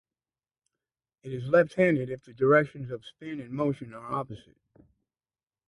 It is left-handed if the directions of spin and motion are opposite.